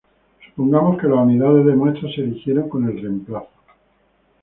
Supongamos que las unidades de muestra se eligieron con el reemplazo.